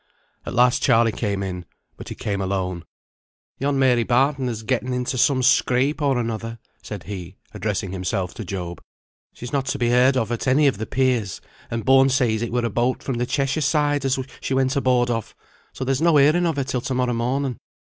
At last Charley came in, but he came alone. "Yon Mary Barton has getten into some scrape or another," said he, addressing himself to Job. "She's not to be heard of at any of the piers; and Bourne says it were a boat from the Cheshire side as she went aboard of. So there's no hearing of her till to morrow morning."